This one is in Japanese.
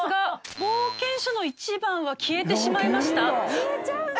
消えちゃうんだ！